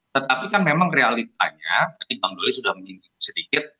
tetapi kan memang realitanya tadi bang doli sudah menyinggung sedikit